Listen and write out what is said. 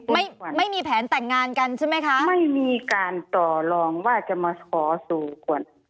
ไม่มีแผนแต่งงานกันใช่ไหมคะไม่มีการต่อรองว่าจะมาขอสู่คน